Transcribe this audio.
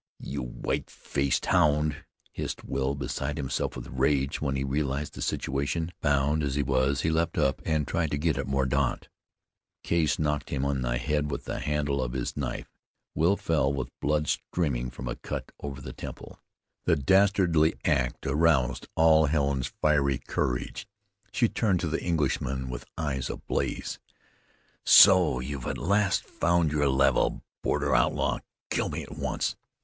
"You white faced hound!" hissed Will, beside himself with rage when he realized the situation. Bound though he was, he leaped up and tried to get at Mordaunt. Case knocked him on the head with the handle of his knife. Will fell with blood streaming from a cut over the temple. The dastardly act aroused all Helen's fiery courage. She turned to the Englishman with eyes ablaze. "So you've at last found your level. Border outlaw! Kill me at once.